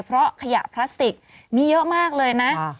เพราะขยะพลาสติกมีเยอะมากเลยนะ